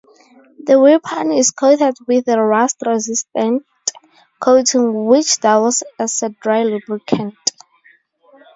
The weapon is coated with a rust-resistant coating which doubles as a dry lubricant.